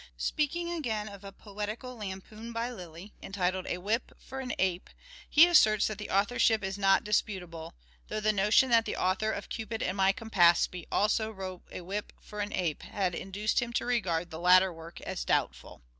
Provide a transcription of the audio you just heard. Speaking again of a poetical lampoon by Lyly, entitled " A Whip for an Ape," he asserts that the " authorship is not disputable," though the notion that the author of "Cupid and my Campaspe" also wrote " A Whip for an Ape " had induced him to regard the latter work as doubtful.